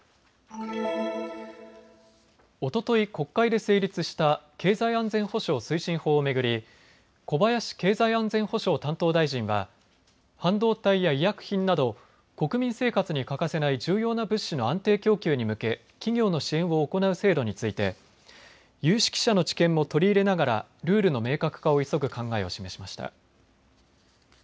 おととい国会で成立した経済安全保障推進法を巡り小林経済安全保障担当大臣は半導体や医薬品など国民生活に欠かせない重要な物資の安定供給に向け企業の支援を行う制度について有識者の知見も取り入れながらルールの明確化を急ぐ考えを示しました。